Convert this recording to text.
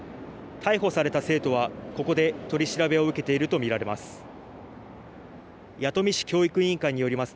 逮捕された生徒は、ここで取り調べを受けているとみられます。